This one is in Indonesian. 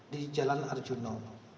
di jalan arjuna